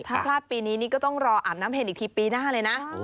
ถ้าพลาดปีนี้นี่ก็ต้องรออาบน้ำเห็นอีกทีปีหน้าเลยนะ